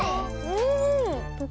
うん。